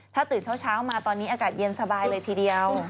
ถ้าตื่นเช้ามาตอนนี้อากาศเย็นสบายเลยทีเดียว